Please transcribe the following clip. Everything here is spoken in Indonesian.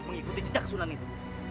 mengikuti jejak sunan itu